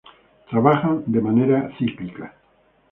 Trabajan de manera cíclica.